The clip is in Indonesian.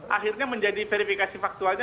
akhirnya menjadi verifikasi faktualnya